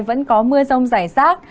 vẫn có mưa rông rải rác